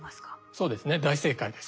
そうですね大正解です。